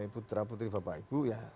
putra putri bapak ibu